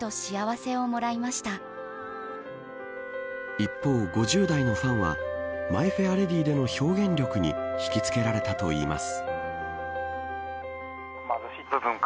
一方、５０代のファンはマイ・フェア・レディでの表現力に引きつけられたといいます。